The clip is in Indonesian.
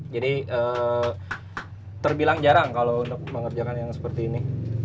terbilang jarang kalau untuk mengerjakan yang seperti ini